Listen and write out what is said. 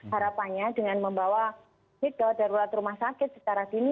harapannya dengan membawa middle darurat rumah sakit secara dini